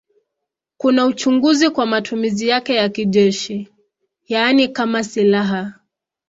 Kuna uchunguzi kwa matumizi yake ya kijeshi, yaani kama silaha.